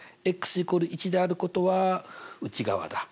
１であることは内側だ。